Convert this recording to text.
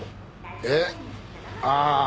えっ？ああ。